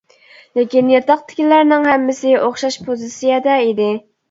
لېكىن ياتاقتىكىلەرنىڭ ھەممىسى ئوخشاش پوزىتسىيەدە ئىدى.